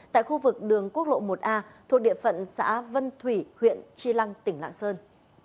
tại khu vực đường quốc lộ một a thuộc địa phận xã vân thủy huyện chi lăng tỉnh lạng sơn